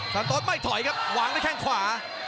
ฆาตาวุฒิไม่ถอยครับหวางด้วยแข้งขวา